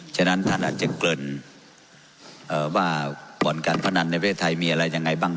ฉะนั้นท่านอาจจะเกินว่าบ่อนการพนันในประเทศไทยมีอะไรยังไงบ้าง